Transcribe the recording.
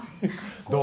「どう？